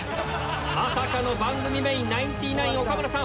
まさかの番組メインナインティナイン・岡村さん。